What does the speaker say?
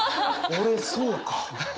俺そうか。